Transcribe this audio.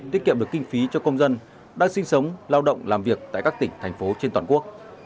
tiết kiệm được kinh phí cho công dân đang sinh sống lao động làm việc tại các tỉnh thành phố trên toàn quốc